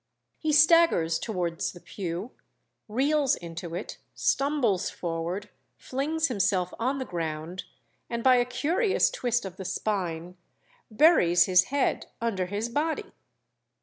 He staggers towards the pew, reels into it, stumbles forward, flings himself on the ground, and, by a curious twist of the spine, buries his head under his body.